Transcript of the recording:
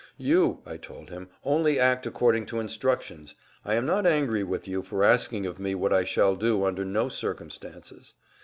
"You," I told him, "only act according to instructions. I am not angry with you for asking of me what I shall do under no circumstances."